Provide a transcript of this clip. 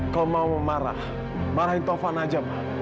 kalau mau memarah marahin taufan aja ma